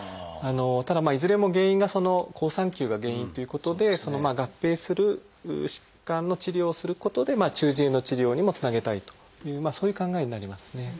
ただいずれも原因がその好酸球が原因ということで合併する疾患の治療をすることで中耳炎の治療にもつなげたいというそういう考えになりますね。